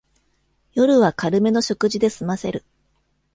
夜は軽めの食事ですませる